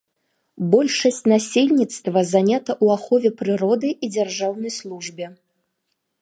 Большасць насельніцтва занята ў ахове прыроды і дзяржаўнай службе.